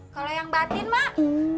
kalau yang batin mak